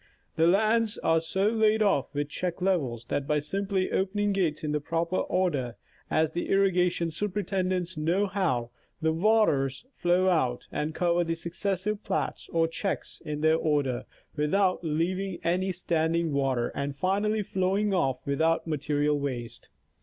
The lands are so laid off with the oheck levels that by simply opening gates in the proper order, as the irrigation superintendents know how, the waters flow out and cover the successive plats or " checks " in their order, without leaving any standing water, and finally flowing off without mate rial waste.